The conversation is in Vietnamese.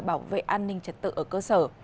bảo vệ an ninh trật tự ở cơ sở